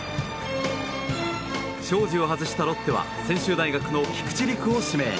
荘司を外したロッテは専修大学の菊地吏玖を指名。